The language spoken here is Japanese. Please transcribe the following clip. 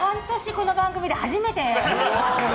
この番組で初めて。